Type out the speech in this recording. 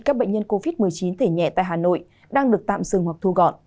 các bệnh nhân covid một mươi chín thể nhẹ tại hà nội đang được tạm dừng hoặc thu gọn